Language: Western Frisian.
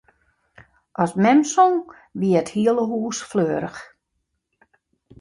As mem song, wie it hiele hûs fleurich.